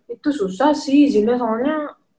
itu susah sih izinnya soalnya